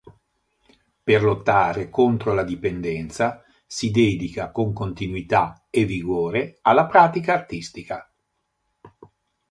Per lottare contro la dipendenza si dedica con continuità e vigore alla pratica artistica.